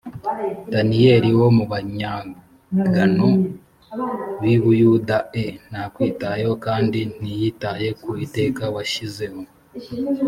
daniyelid wo mu banyagano b i buyuda e ntakwitayeho kandi ntiyitaye ku iteka washyizeho